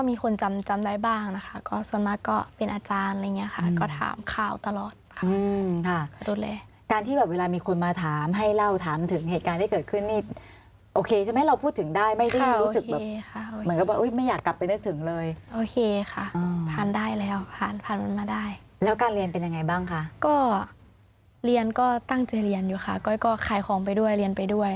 มีคนจำจำได้บ้างนะคะก็ส่วนมากก็เป็นอาจารย์อะไรอย่างเงี้ค่ะก็ถามข่าวตลอดค่ะการที่แบบเวลามีคนมาถามให้เล่าถามถึงเหตุการณ์ที่เกิดขึ้นนี่โอเคใช่ไหมเราพูดถึงได้ไม่ได้รู้สึกแบบเหมือนกับว่าไม่อยากกลับไปนึกถึงเลยโอเคค่ะผ่านได้แล้วผ่านพันธุ์มาได้แล้วการเรียนเป็นยังไงบ้างคะก็เรียนก็ตั้งใจเรียนอยู่ค่ะก็ขายของไปด้วยเรียนไปด้วย